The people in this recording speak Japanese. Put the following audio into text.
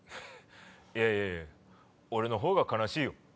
いやいや俺のほうが悲しいよ。